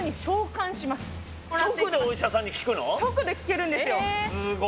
直で聞けるんですよ！